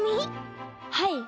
はい。